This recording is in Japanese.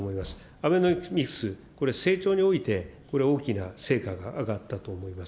アベノミクス、これ、成長において、これ大きな成果が上がったと思います。